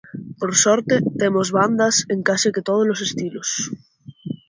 Por sorte temos bandas en case que tódolos estilos.